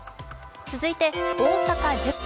続いて大阪１０区。